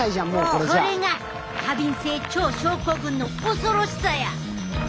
これが過敏性腸症候群の恐ろしさや！